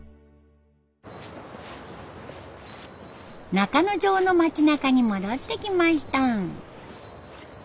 中之条の町なかに戻ってきました。